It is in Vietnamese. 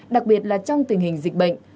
đặc biệt là trong tình hình dịch bệnh